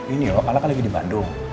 ini loh alak lagi di bandung